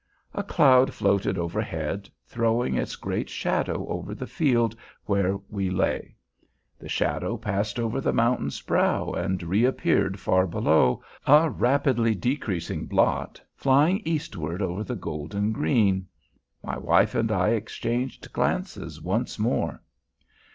A cloud floated overhead, throwing its great shadow over the field where we lay. The shadow passed over the mountain's brow and reappeared far below, a rapidly decreasing blot, flying eastward over the golden green. My wife and I exchanged glances once more.